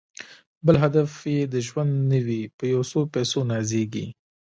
بل هدف یې د ژوند نه وي په یو څو پیسو نازیږي